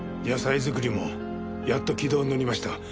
野菜作りもやっと軌道に乗りました。